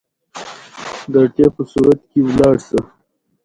انګور د افغانستان د چاپیریال د مدیریت لپاره مهم دي.